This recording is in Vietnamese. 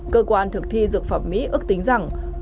cơ quan thực thi dược phẩm mỹ ước tính rằng